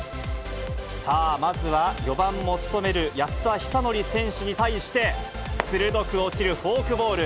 さあ、まずは４番を務める安田尚憲選手に対して、鋭く落ちるフォークボール。